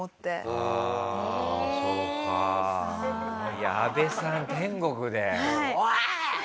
いや阿部さん天国で。